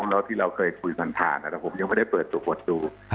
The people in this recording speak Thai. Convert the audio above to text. แล้วที่เราเคยคุยสันทานอ่ะแต่ผมยังไม่ได้เปิดโหดดู